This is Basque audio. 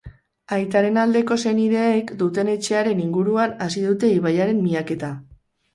Aitaren aldeko senideek duten etxearen inguruan hasi dute ibaiaren miaketa.